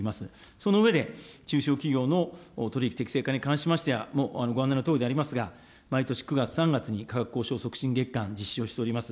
その上で、中小企業の取り引き適正化に関しましては、もうご案内のとおりでありますが、毎年９月、３月に価格交渉促進月間、実施をしております。